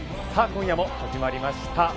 今夜も始まりました。